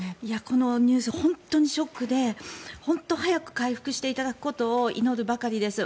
このニュース本当にショックで本当に早く回復していただくことを祈るばかりです。